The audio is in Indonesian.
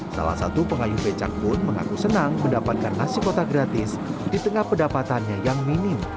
salah satu pengayuh becak pun mengaku senang mendapatkan nasi kotak gratis di tengah pendapatannya yang minim